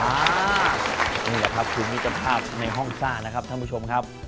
นี่แหละครับคือมิตรภาพในห้องซ่านะครับท่านผู้ชมครับ